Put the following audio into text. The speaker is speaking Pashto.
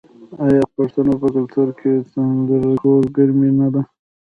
آیا د پښتنو په کلتور کې تندور د کور ګرمي نه ده؟